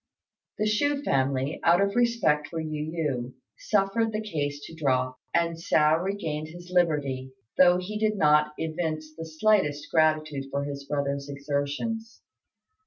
The Chou family, out of respect for Yu yü, suffered the case to drop, and Hsiao regained his liberty, though he did not evince the slightest gratitude for his brother's exertions.